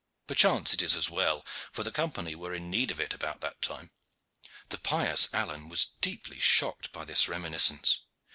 Perchance it is as well, for the Company were in need of it about that time." The pious Alleyne was deeply shocked by this reminiscence.